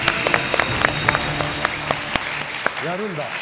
やるんだ。